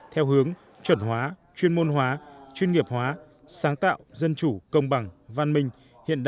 theo hướng chuẩn hóa chuyên môn hóa chuyên nghiệp hóa sáng tạo dân chủ công bằng văn minh hiện đại và hội nhập